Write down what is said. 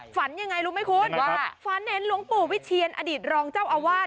ฝันยังไงรู้ไหมคุณฝันเห็นหลวงปู่วิเชียนอดีตรองเจ้าอาวาส